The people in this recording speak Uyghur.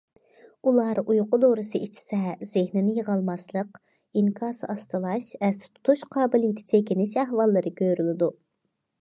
ئۇلار ئۇيقۇ دورىسى ئىچسە، زېھنىنى يىغالماسلىق، ئىنكاسى ئاستىلاش، ئەستە تۇتۇش قابىلىيىتى چېكىنىش ئەھۋاللىرى كۆرۈلىدۇ.